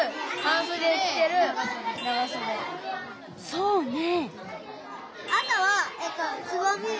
そうね。